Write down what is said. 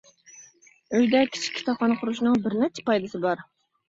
ئۆيدە كىچىك كىتابخانا قۇرۇشنىڭ بىر نەچچە پايدىسى بار.